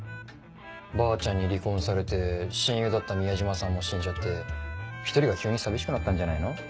ばあちゃんに離婚されて親友だった宮島さんも死んじゃって一人が急に寂しくなったんじゃないの？